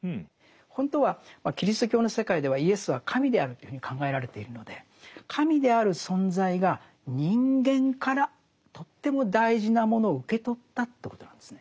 本当はキリスト教の世界ではイエスは神であるというふうに考えられているので神である存在が人間からとっても大事なものを受け取ったということなんですね。